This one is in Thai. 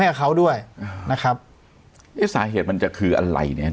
กับเขาด้วยนะครับเอ๊ะสาเหตุมันจะคืออะไรเนี่ย